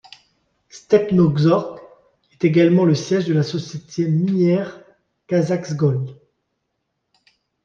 Stepnogorsk est également le siège de la société minière KazakhGold.